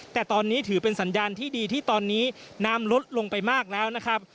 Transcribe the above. แต่ตอนนี้ถือเป็นสัญญาณที่ดีที่ตอนนี้น้ำลดลงไปมากแล้วนะครับ